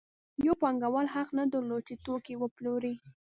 یو پانګوال حق نه درلود چې توکي وپلوري